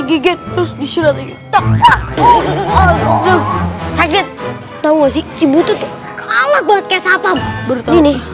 gigit terus disini sakit tahu sih cimbu tuh kalah buat kek satam bertanggung